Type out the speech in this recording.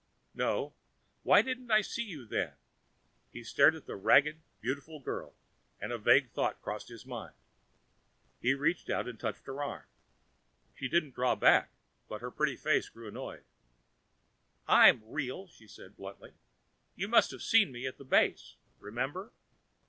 "No. Why didn't I see you, then?" He stared at the ragged, beautiful girl, and a vague thought crossed his mind. He reached out and touched her arm. She didn't draw back, but her pretty face grew annoyed. "I'm real," she said bluntly. "You must have seen me at the base. Remember?"